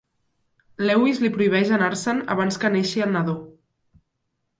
Lewis li prohibeix anar-se'n abans que neixi el nadó.